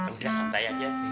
udah santai aja